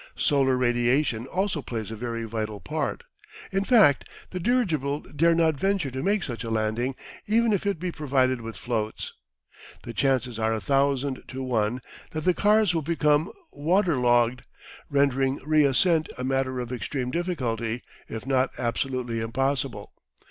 Solar radiation also plays a very vital part. In fact the dirigible dare not venture to make such a landing even if it be provided with floats. The chances are a thousand to one that the cars will become water logged, rendering re ascent a matter of extreme difficulty, if not absolutely impossible.